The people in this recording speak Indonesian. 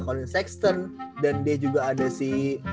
colin sexstern dan dia juga ada si